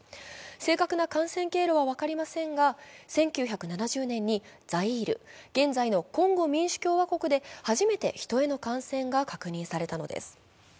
正確な感染経路は分かりませんが、１９７０年にザイール、現在のコンゴ民主共和国で初めてヒトへの感染が確認されたのです。